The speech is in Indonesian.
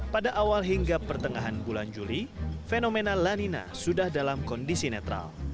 pada awal hingga pertengahan bulan juli fenomena lanina sudah dalam kondisi netral